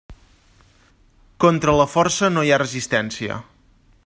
Contra la força no hi ha resistència.